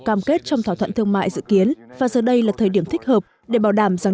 cam kết trong thỏa thuận thương mại dự kiến và giờ đây là thời điểm thích hợp để bảo đảm rằng